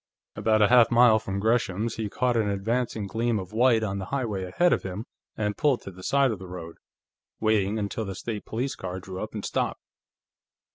About a half mile from Gresham's he caught an advancing gleam of white on the highway ahead of him and pulled to the side of the road, waiting until the State Police car drew up and stopped.